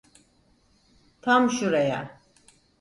Tam şuraya.